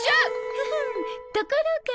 フフーンところが。